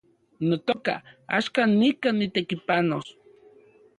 Notoka, axkan nikan nitekipanos